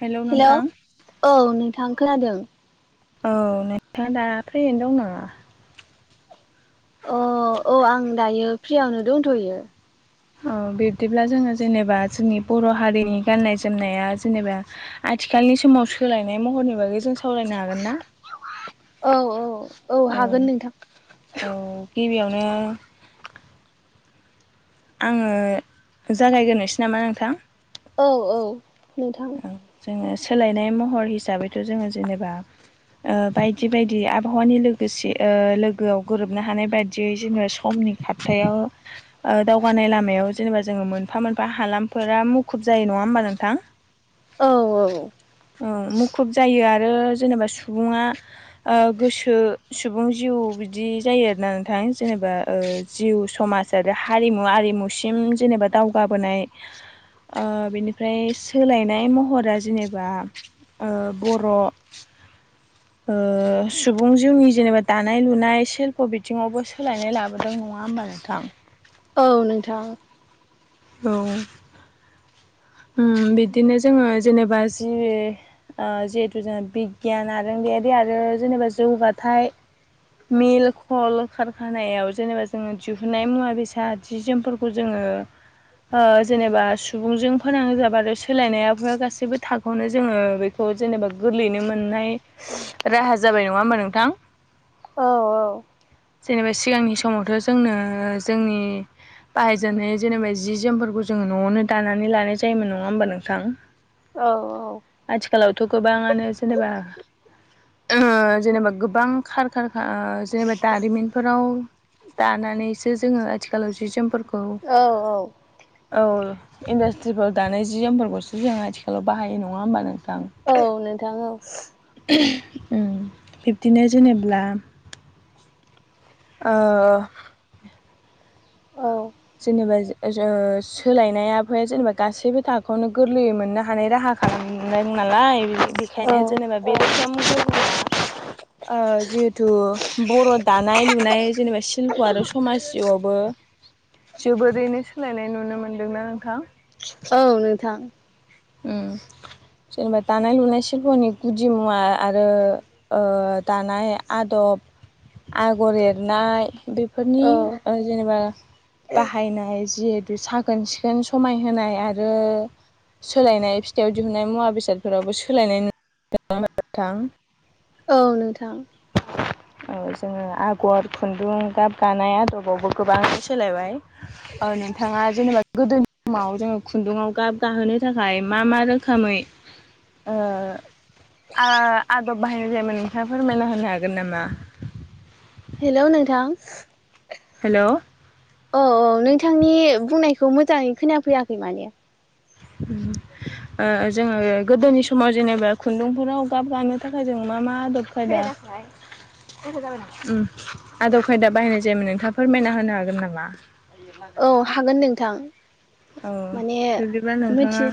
Hello hello नोंथां औ नोंथां खोनादों। औ नोंथाङा दा फैैनो दं नामा? अ औ आं दायो फ्रियावनो दंथ'यो। औ बिब्दिब्ला जोङो जेनेबा जोंनि बर' हारिनि गाननाय जोमनाया जेनेबा आथिखालनि समाव सोलायनाय महरनि बागै जों सावरायनो हागोन ना? औ औ औ हागोन नोंथां औ गिबिआवनो ओ। आङो जागायग्रोनोसै नामा नोंथां? औ औ नोंथां। जोङो सोलायनाय महर हिसाबैथ' जोङो जेनेबा ओ बायदि बायदि आब बहानि लोगोसे ओ लोगोआव गोरोबनो हानाय बायदियै जेनेबा समनि खारथायाव ओ दावगानाय लामायाव जेनेबा जोङो मोनफा मोनफा हालामफोरा मुखुब जायो नङा होमबा नोंथां? औ औ। मुखुब जायो आरो जेनेबा सुबुङा ओ गोसो सुबुं जिउ बिदि जायो आरोना नोंथां जेनेबा ओ जिउ समाज आरो हारिमु आरिमुसिम जेनेबा दावगा बोनाय ओ बेनिफ्राय सोलायनाय महरा जेनेबा ओ बर' ओ सुबुं जिउनि जेनेबा दानाय लुनाय सेल्प' बिथिङावबो सोलायनाय लाबोदों नङा होमबा? [unintelligible] थां औ नोंथां औ उम बिदिनो जोङो जेनेबा जि ओ जिहेतु जोंहा बिगियान आरोंगयारि आरो जेनेबा जौगाथाय मिल खल कारखानायाव जेनेबा जोङो दिहुननाय मुवा बेसाद जि जोमफोरखौ जोङो ओ ओ‌ जेनेबा सुबुंजों फोनांजाबा आरो सोलायनाय गासैबो थाखोआवनो जोङो बेखौ जेनेबा गोरलैनो मोननाय राहा जाबाय नङा होमबा नोंथां? औ औ जेनेबा सिगांनि समावथ' जोंनो जोंनि बाहायजेननाय जेनेबा जि जोमफोरखौ जोङो न'आवनो दानानै लानाय जायोमोन नङा होमबा नोंथां? औ औ थ' गोबाङानो जेनेबा ओ जेनेबा गोबां खार ख जेनेबा दारिमिनफोराव दानानैसो जोङो आथिखालाव जि जोमफोरखौ औ औ औ इन्डास्ट्रिफोर दानाय जि जोमफोरखौसो जों आथिखालाव बाहायो नङा होमबा नोंथां? औ नोथां औ [unintelligible] उम बिब्दिनो जेनेब्ला ओ औ जेनेबा सोलायनाया फ जेनेबा गासैबो थाखोआवनो गोरलैयै मोननो हानाय राहा खालामदों नालाय औ बेखायनो जेनेबा बे रोखोम ओ जिहेथु बर' दानाय लुनाय जेनेबा सिशल्प' आरो समाज जिउआवबो जोबोरैनो सोलायनाय नुनो मोनदोंना नोंथां? औ नोंथां। उम जेनेबा दानाय लुनाय सिल्पनि गुदि मुवा आरो ओ दानाय आदब आगर एरनाय बेफोरनि औ जेनेबा बाहायनाय जिहेतु साखोन सिखोन समायहोनाय आरो सोलायनाय फिथाइयाव दिहुननाय मुवा बेसादफोरावबो सोलायनाय [unintelligible] थां औ नोंथां औ जोङो आगर खुन्दुं गाब गानाय आदबावबो गोबां सोलायबाय नोंथाङा जेनेबा गोदोनि समाव जोङो खुन्दुङाव गाब गाहोनो थाखाय मा मा रोखोमै ओ आ आदब बाहायनाय जायोमोन नोंथां आफोरमायना हो हागोन नामा? हेल' नोंथां हेल' औ औ नोंथांनि बुंनायखौ मोजाङै खोनाफैयाखै माने ओ‌ जोङो गोदोनि समाव जेनेबा खुन्दुंफोराव गाब गानो थाखाय जों मा मा आदब खायदा आदब खायदा बाहायनाय जायोमोन नोंथाङा फोरमायना होनो हागोन नामा? औ हागोन नोंथां। औ माने बिबदिबा नोंथाङा मिथि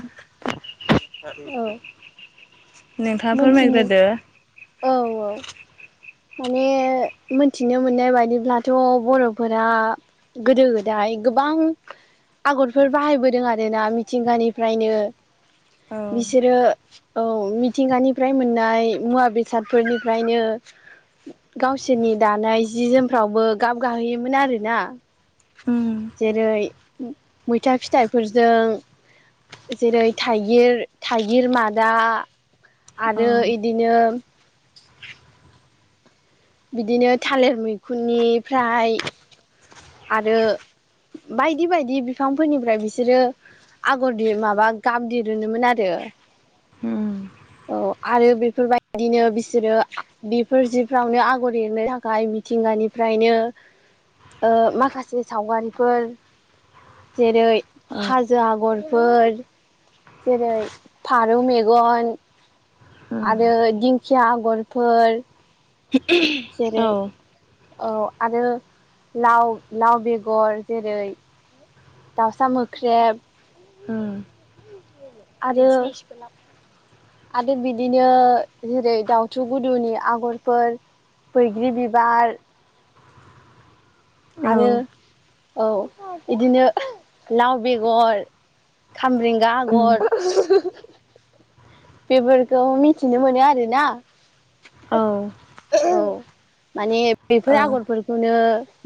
औ नोंथाङा‌ मोनथिनो फोरमायग्रोदो औ औ माने मोनथिनो मोननाय बायदिब्लाथ' बर'फोरा गोदो गोदाय गोबां आगरफोर बाहायबोदों आरोना मिथिंगानिफ्रायनो औ बिसोरो औ मिथिंगानिफ्राय मोननाय मुवा बेसादफोरनिफ्रायनो गावसोरनि दानाय जि जोमफ्रावबो गाब गाहोयोमोन आरोना उम जेरै मैथा फिथाइफोरजों। जेरै थाइगिर थाइगिर मादा औ आरो इदिनो। बिदिनो थालिर मैखुननिफ्राय आरो। बायदि बायदि बिफांफोरनिफ्राय बिसोरो। आगर दिर माबा गाब दिरोममोन आरो उम औ आरो बे फोरबायदिनो बिसोरो बेफोर जिफ्रावनो आगर एरनो थाखाय मिथिंगानिफ्रायनो। [inaudible] ओ माखासे सावगारिफोर जेरै औ हाजो आगर फोर जेरै फारौ मेगन। उम आरो दिंखिया आगरफोर। औ जेरै औ आरो लाव लाव बेगर जेरै। दावउसा मोख्रेब। उम आरो आरो बिदिनो जेरै दाउथु गुदुनि आगरफोर। बैग्रि बिबार। आरो औ। औ बिदिनो लाव बेगर। खामब्रेंगा उम आगर। बेफोरखौ मिथिनो मोनो आरोना। औ। औ माने बेफोर ओ आगरफोरखौनो।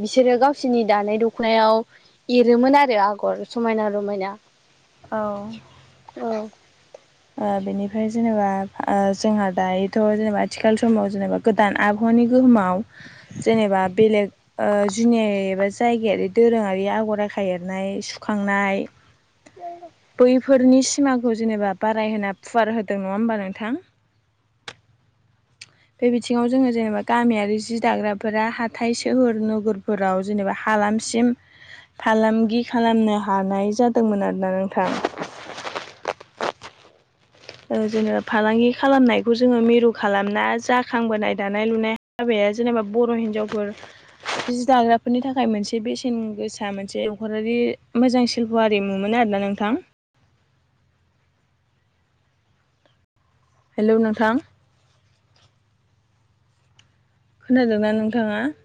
बिसोरो गावसोरनि दानाय दखनायाव एरोमोन आरो आगर समायना रमायना। औ। औ ओ बेनिफ्राय जेनेबा ओ जोंहा दायोथ' जेनेबा आथिखाल समाव जेनेबा गोदान आबह वानि गोहोमाव जेनेबा बेलेग ओ जुनि एबा जायगायारि दोरोङारि आ गरायखा एरनाय सुखांनाय बैफोरनि सिमाखौ जेनेबा। बाराय होना फुवार होदों नङा होमबा नोंथां। बे बिथिङाव जोङो जेनेबा गामियारि जि दाग्राफोरा हाथाय सोहोर नोगोरफोराव जेनेबा हा हालामसिम फालामगि खालामनो हानाय जादोंमोन आरोना नोंथां। [inaudible] ओ जोङो फालांगि खालामनायखौ जोङो मिरु खालामना जाखांबोनाय दानाय लुनाय हाबा या जेनेबा बर' हिनजावफोर। जि दाग्राफोरनि थाखाय मोनसे बेसेन गोसा मोनसे नखरारि मोजां सिल्प' आरिमु मोन आ रोना नोंथां। हेलौ नोंथां। खोनादोंना नोंथाङा।